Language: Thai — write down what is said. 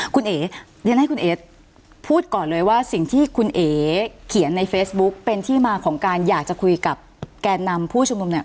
คุณเอ๋เรียนให้คุณเอ๋พูดก่อนเลยว่าสิ่งที่คุณเอ๋เขียนในเฟซบุ๊คเป็นที่มาของการอยากจะคุยกับแกนนำผู้ชุมนุมเนี่ย